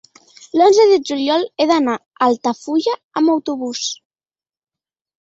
l'onze de juliol he d'anar a Altafulla amb autobús.